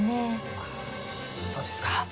あそうですか。